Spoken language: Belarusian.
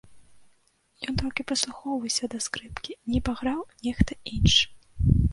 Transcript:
Ён толькі прыслухоўваўся да скрыпкі, нібы граў нехта іншы.